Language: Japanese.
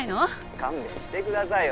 ☎勘弁してくださいよ